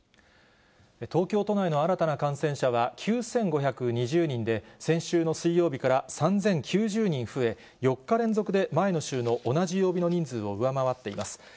東京都内の新たな感染者は９５２０人で、先週の水曜日から３０９０人増え、４日連続で前の週の同じ曜日の人数を上回っています。